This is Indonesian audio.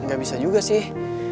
gak bisa juga sih